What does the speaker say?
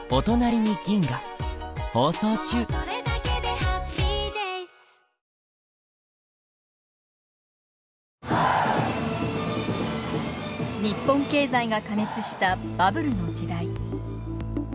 放送中日本経済が過熱したバブルの時代。